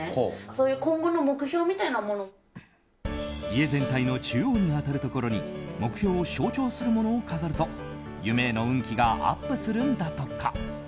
家全体の中央に当たるところに目標を象徴するものを飾ると夢への運気がアップするんだとか。